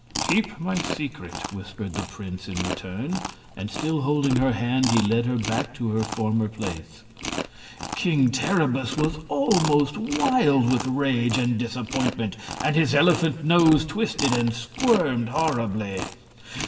"Keep my secret," whispered the prince in return, and still holding her hand he led her back to her former place. King Terribus was almost wild with rage and disappointment, and his elephant nose twisted and squirmed horribly.